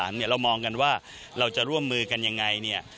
เรามองกันว่าเราจะร่วมมือกันอย่างไร